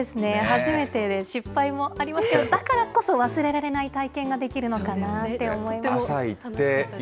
初めてで失敗もありましたけど、だからこそ、忘れられない体験ができるのかなって思いました。